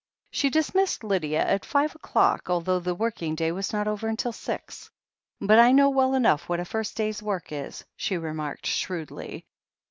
She dismissed Lydia at five o'clock, although the working day was not over until six. "But I know well enough what a first day's work is," she remarked shrewdly.